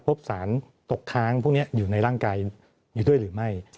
พบสารตกค้างพวกนี้อยู่ในร่างกายอยู่ด้วยหรือไม่